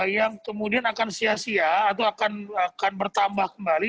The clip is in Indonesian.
yang kemudian akan sia sia atau akan bertambah kembali